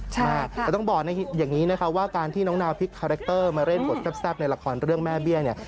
แต่ต้องบอกอย่างนี้นะคะว่าการที่น้องนาวพลิกคาแรคเตอร์มาเล่นบทแซ่บในละครเรื่องแม่เบี้ยเนี่ย